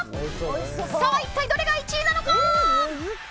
さあ一体どれが１位なのか。